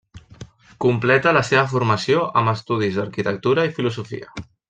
Completa la seva formació amb estudis d'arquitectura i filosofia.